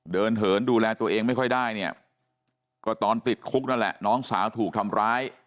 เหินดูแลตัวเองไม่ค่อยได้เนี่ยก็ตอนติดคุกนั่นแหละน้องสาวถูกทำร้าย